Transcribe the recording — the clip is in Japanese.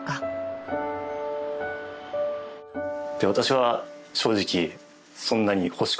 私は正直。